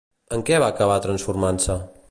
En què va acabar transformant-se?